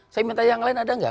saya minta yang lain ada nggak